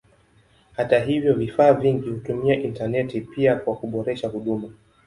Hata hivyo vifaa vingi hutumia intaneti pia kwa kuboresha huduma.